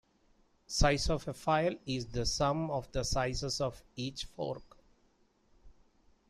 The size of a file is the sum of the sizes of each fork.